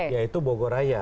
yaitu bogor raya